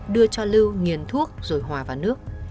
đưa cho lưu nghiền thuốc rồi hòa vào nước